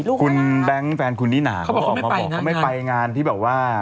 ลูกว่านะฮะคุณแบงค์แฟนคุณนี่หน่าเขาบอกว่าเขาไม่ไปงานที่แบบว่า